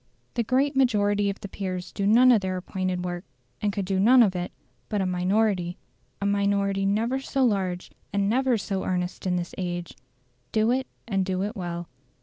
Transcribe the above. The great majority of the peers do none of their appointed work, and could do none of it; but a minority a minority never so large and never so earnest as in this age do it, and do it well.